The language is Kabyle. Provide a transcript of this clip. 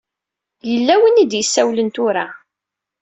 Yella win i d-isawlen tura.